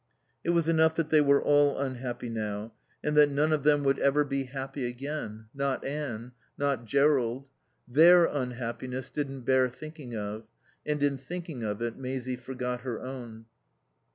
It was enough that they were all unhappy now and that none of them would ever be happy again. Not Anne. Not Jerrold. Their unhappiness didn't bear thinking of, and in thinking of it Maisie forgot her own.